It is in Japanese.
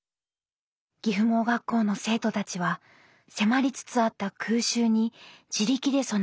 岐阜盲学校の生徒たちは迫りつつあった空襲に自力で備えます。